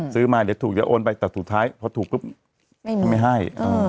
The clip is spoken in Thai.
ซื้อมาเดี๋ยวถูกเดี๋ยวโอนไปแต่สุดท้ายพอถูกปุ๊บไม่ให้